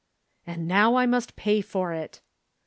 "And now I must pay for it!"